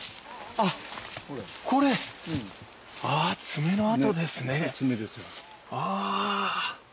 これ、爪の跡ですね。